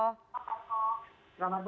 selamat malam pak eko